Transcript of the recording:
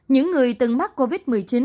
những người từng mắc covid một mươi chín